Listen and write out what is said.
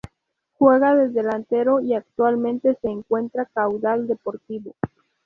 Juega de delantero y actualmente se encuentra Caudal Deportivo.